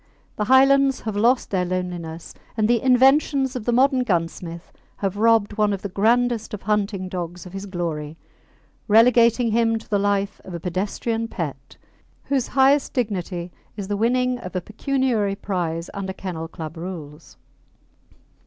The Highlands have lost their loneliness, and the inventions of the modern gunsmith have robbed one of the grandest of hunting dogs of his glory, relegating him to the life of a pedestrian pet, whose highest dignity is the winning of a pecuniary prize under Kennel Club rules.